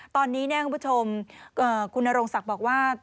ตอนนี้คุณผู้ชมคุณนโรงศักดิ์บอกว่า